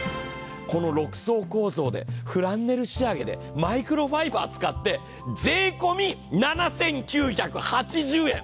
６層構造でフランネル仕上げでマイクロファイバー使って税込み７９８０円。